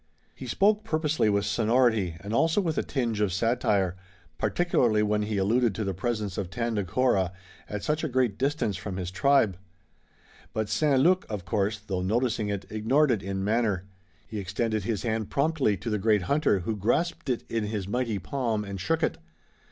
He spoke purposely with sonority, and also with a tinge of satire, particularly when he alluded to the presence of Tandakora at such a great distance from his tribe. But St. Luc, of course, though noticing it, ignored it in manner. He extended his hand promptly to the great hunter who grasped it in his mighty palm and shook it.